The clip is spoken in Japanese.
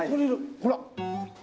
ほら！